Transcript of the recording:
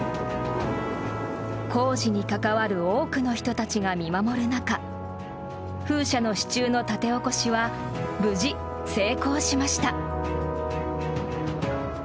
工事に関わる多くの人たちが見守る中風車の支柱の立て起こしは無事、成功しました。